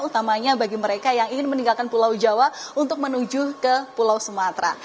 utamanya bagi mereka yang ingin meninggalkan pulau jawa untuk menuju ke pulau sumatera